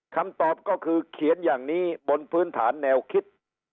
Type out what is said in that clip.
คำตอบก็คือเขียนอย่างนี้บนพื้นฐานแนวคิด